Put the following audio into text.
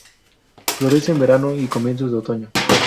Florece en verano y comienzos de otoño.